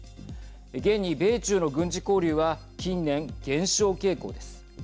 現に米中の軍事交流は近年減少傾向です。